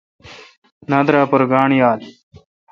نادرا پر گانٹھ یال۔